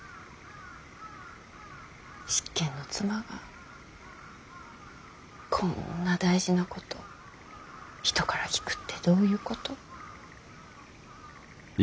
執権の妻がこんな大事なこと人から聞くってどういうこと。